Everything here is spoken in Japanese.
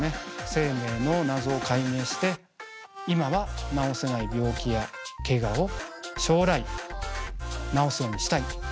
生命の謎を解明して今は治せない病気やけがを将来治すようにしたい。